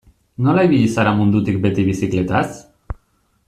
Nola ibili zara mundutik beti bizikletaz?